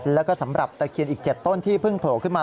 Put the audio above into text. แล้วก็สำหรับตะเคียนอีก๗ต้นที่เพิ่งโผล่ขึ้นมา